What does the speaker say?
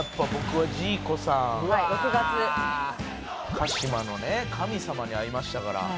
鹿島のね神様に会いましたから。